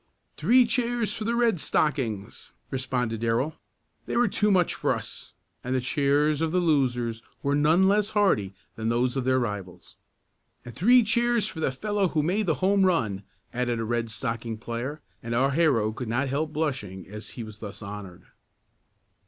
"Three cheers for the Red Stockings," responded Darrell. "They were too much for us," and the cheers of the losers were none less hearty than those of their rivals. "And three cheers for the fellow who made the home run!" added a Red Stocking player, and our hero could not help blushing as he was thus honored.